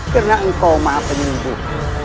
karena engkau maaf penyembuh